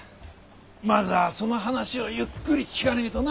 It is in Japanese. まずはその話をゆっくり聞かねぇとな。